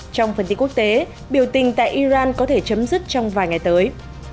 trong phần tin quốc tế biểu tình tại iran có thể chấm dứt trong vài ngày tới